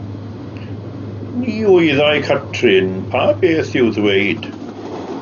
Ni wyddai Catrin pa beth i'w ddweud